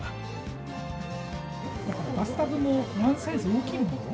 バスタブもワンサイズ大きいものを。